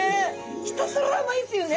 ひたすら甘いんすよね。